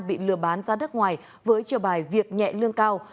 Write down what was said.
bị lừa bán ra đất ngoài với chiều bài việc nhẹ lương cao